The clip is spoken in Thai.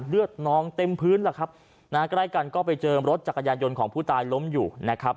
เลือดนองเต็มพื้นแล้วครับนะฮะใกล้กันก็ไปเจอรถจักรยานยนต์ของผู้ตายล้มอยู่นะครับ